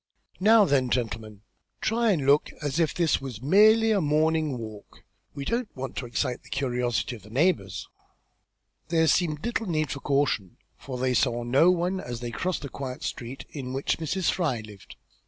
Now then, gentlemen, try and look as if this was merely a morning walk. We don't want to excite the curiosity of the neighbours." There seemed little need of this caution, for they saw no one as they crossed to the quiet street in which Mrs. Fry lived.